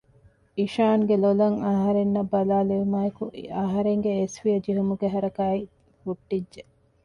އީޝަންގެ ލޮލަށް އަހަރެންނަށް ބަލާލެވުމާއެކު އަހަރެންގެ އެސްފިޔަ ޖެހުމުގެ ހަރަކާތް ހުއްޓިއްޖެ